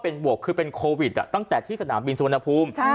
เป็นบวกคือเป็นโควิดตั้งแต่ที่สนามบินสุวรรณภูมิ